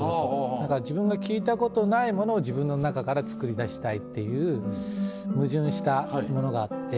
だから自分が聞いたことないものを自分の中から作り出したいっていう矛盾したものがあって。